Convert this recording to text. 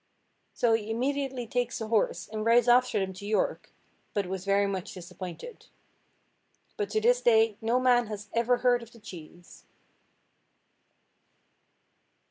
So he immediately takes a horse, and rides after them to York, but was very much disappointed. But to this day no man has ever heard of the cheese.